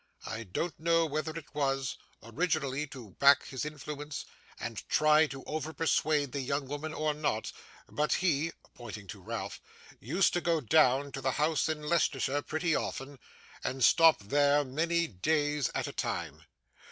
I don't know whether it was, originally, to back his influence and try to over persuade the young woman or not, but he,' pointing, to Ralph, 'used to go down to the house in Leicestershire pretty often, and stop there many days at a time.